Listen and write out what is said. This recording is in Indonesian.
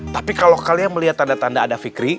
tapi kalau kalian melihat tanda tanda ada fikri